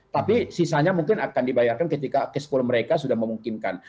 tapi sisanya mungkin akan dibayarkan ketika cash flow mereka sudah memungkinkan